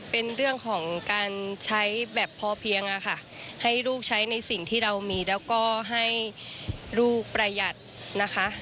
เป็นเรื่องของการใช้แบบพอเพียงค่ะให้ลูกใช้ในสิ่งที่เรามีแล้วก็ให้ลูกประหยัดนะคะ